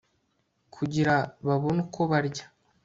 kugira babone uko barya